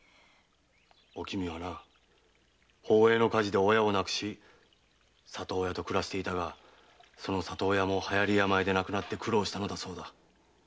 おきみはな宝永の火事で親を亡くし里親と暮らしていたがその里親も流行り病で亡くなって苦労したのだそうだ。